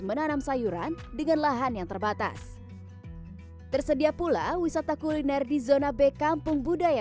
menanam sayuran dengan lahan yang terbatas tersedia pula wisata kuliner di zona b kampung budaya